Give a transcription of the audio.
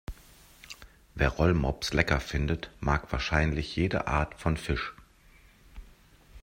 Wer Rollmops lecker findet, mag wahrscheinlich jede Art von Fisch.